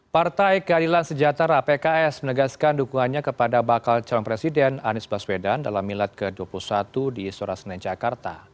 partai keadilan sejahtera pks menegaskan dukungannya kepada bakal calon presiden anies baswedan dalam milad ke dua puluh satu di istora senen jakarta